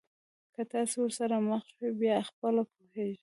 که تاسي ورسره مخ شوی بیا خپله پوهېږئ.